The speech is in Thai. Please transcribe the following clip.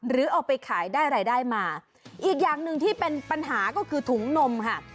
หรือเอาไปขายได้รายได้มาอีกอย่างหนึ่งที่เป็นปัญหาก็คือถุงนมค่ะ